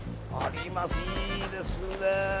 いいですね。